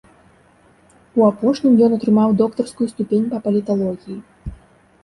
У апошнім ён атрымаў доктарскую ступень па паліталогіі.